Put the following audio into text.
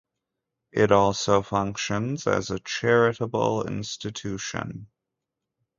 It also functions as a charitable institution.